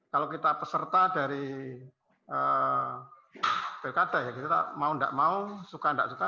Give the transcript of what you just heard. kalau kita peserta dari pilkada ya kita mau tidak mau suka nggak suka